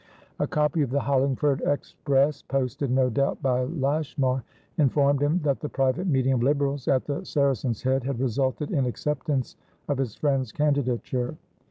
A copy of the Hollingford Express, posted, no doubt, by Lashmar, informed him that the private meeting of Liberals at the Saracen's Head had resulted in acceptance of his friend's candidature.